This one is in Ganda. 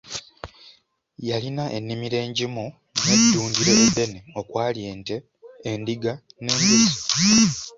Yalina ennimiro engimu n'eddundiro eddene okwali ente, endiga n'embuzi.